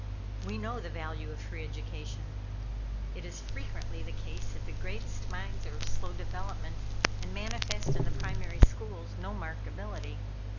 We know the value of free education. It is frequently the case that the greatest minds are of slow development, and manifest in the primary schools no marked ability.